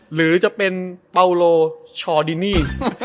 หรือจะเป็นเปาโลชอดินนี่